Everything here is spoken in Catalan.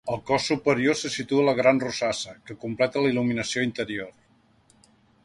Al cos superior se situa la gran rosassa, que completa la il·luminació interior.